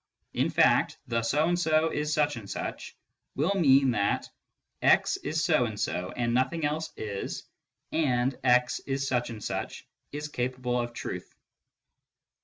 In fact, " the so and so is such and such " will mean that " x is so and so and nothing else is, and x is such and such " is capable of truth.